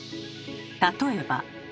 例えば。